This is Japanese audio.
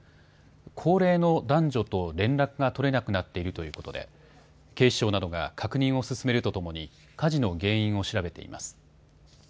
高齢の男女と連絡が取れなくなっているということで警視庁などが確認を進めるとともに火事の原因を調べています。